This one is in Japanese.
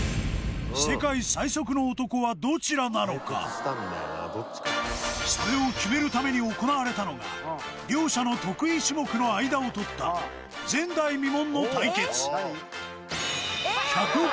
そこでこんなそれを決めるために行われたのが両者の得意種目の間を取った前代未聞の対決